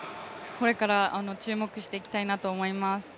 これから注目していきたいなと思います。